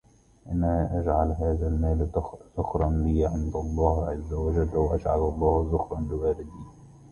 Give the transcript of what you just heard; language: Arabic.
أَنَا أَجْعَلُ هَذَا الْمَالَ ذُخْرًا لِي عِنْدَ اللَّهِ عَزَّ وَجَلَّ وَأَجْعَلُ اللَّهَ ذُخْرًا لِوَلَدِي